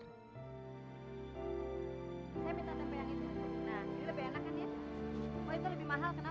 saya minta teman yang itu